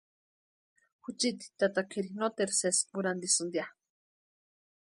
Juchiti tata kʼeri noteru sési kurhantisïnit ya.